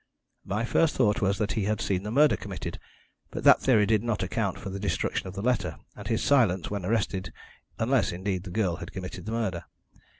My first thought was that he had seen the murder committed, but that theory did not account for the destruction of the letter, and his silence when arrested, unless, indeed, the girl had committed the murder.